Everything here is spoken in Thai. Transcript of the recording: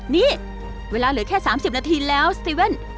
นี่เวลาเหลือแค่๓๐นาทีแล้ว๗๑๑